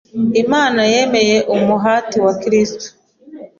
Imana yemeye umuhati wa Kristo